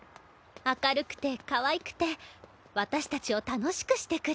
明るくてかわいくて私たちを楽しくしてくれる。